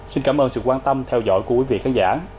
xin cảm ơn sự quan tâm theo dõi của quý vị khán giả